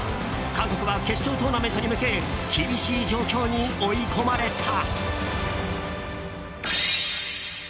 韓国は決勝トーナメントに向け厳しい状況に追い込まれた。